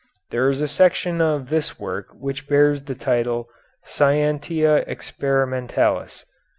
There is a section of this work which bears the title "Scientia Experimentalis."